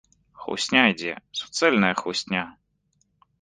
Хлусня ідзе, суцэльная хлусня!